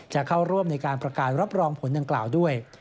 จะเข้าร่วมในการประกาศรับรองผลดังกล่าวด้วย